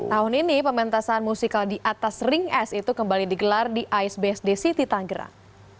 tahun ini pementasan musikal di atas ring s itu kembali digelar di icebsd city tanggerang